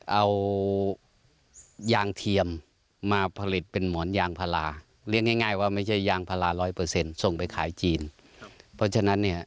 เอายางเทียมมาผลิตเป็นหมอนยางพารา